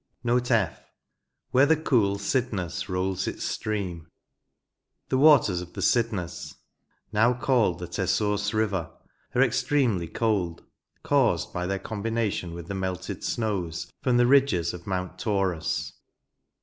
NOTB F. Where the cool Cydnus rolls its stream," The waters of the Cydnus, now called the Tersoors river, are extremely cold, caused by their combination with the melted snows from the ridges of mount Taurus.